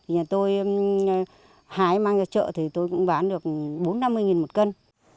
nhờ tôi hái mang ra chợ thì tôi cũng bán được bốn năm mươi nghìn một cân